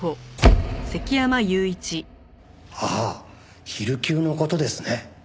ああ昼休の事ですね。